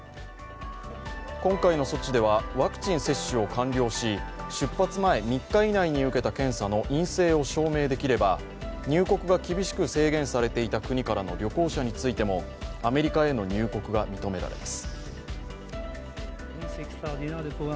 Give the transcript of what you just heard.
今回の措置ではワクチン接種を完了し出発前３日以内に受けた検査の陰性を証明できれば入国が厳しく制限されていた国からの旅行者についてもアメリカへの入国が認められます。